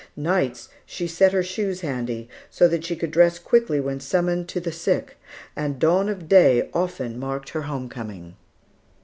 Nights, she set her shoes handy, so that she could dress quickly when summoned to the sick; and dawn of day often marked her home coming.